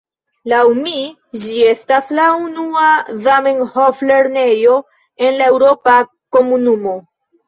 Laŭ mi, ĝi estas la unua Zamenhof-lernejo en la Eŭropa Komunumo.